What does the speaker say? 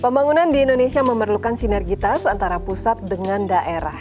pembangunan di indonesia memerlukan sinergitas antara pusat dengan daerah